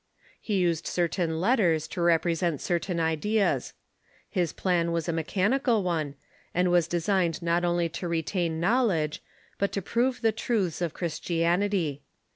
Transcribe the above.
He used certain letters to represent certain ideas. His plan was a mechanical one, and was de signed not only to retain knowledge, but to prove the truths of Christianity.